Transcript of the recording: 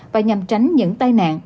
và nhằm tránh những tai nạn